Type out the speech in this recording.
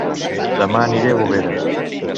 Dema aniré a Bovera